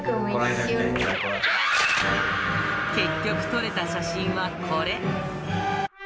結局、撮れた写真はこれ。